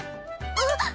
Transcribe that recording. あっ！